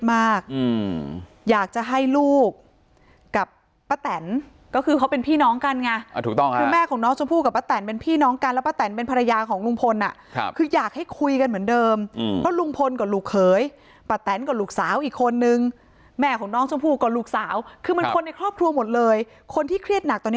มากอืมอยากจะให้ลูกกับป้าแตนก็คือเขาเป็นพี่น้องกันไงถูกต้องค่ะคือแม่ของน้องชมพู่กับป้าแตนเป็นพี่น้องกันแล้วป้าแตนเป็นภรรยาของลุงพลอ่ะครับคืออยากให้คุยกันเหมือนเดิมเพราะลุงพลกับลูกเขยป้าแตนกับลูกสาวอีกคนนึงแม่ของน้องชมพู่กับลูกสาวคือมันคนในครอบครัวหมดเลยคนที่เครียดหนักตอนนี้